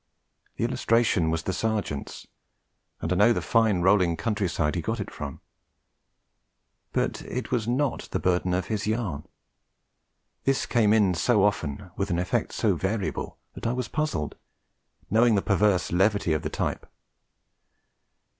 The illustration was the Sergeant's, and I know the fine rolling countryside he got it from; but it was not the burden of his yarn. This came in so often, with an effect so variable, that I was puzzled, knowing the perverse levity of the type.